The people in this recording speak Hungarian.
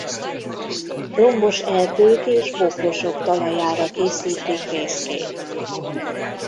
Lombos erdők és bokrosok talajára készíti fészkét.